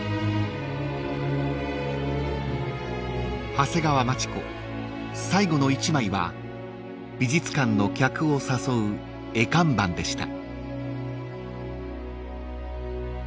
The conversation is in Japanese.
［長谷川町子最後の一枚は美術館の客を誘う絵看板でした］